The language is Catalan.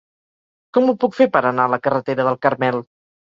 Com ho puc fer per anar a la carretera del Carmel?